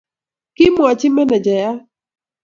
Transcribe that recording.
kimwochi menejayat